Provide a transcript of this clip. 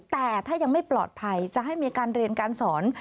แต่ถ้ายังไม่ปลอดภัยจะให้มีการเรียนการสอน